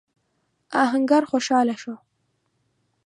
آهنګر خوشاله و.